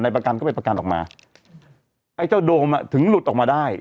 ประกันก็ไปประกันออกมาไอ้เจ้าโดมอ่ะถึงหลุดออกมาได้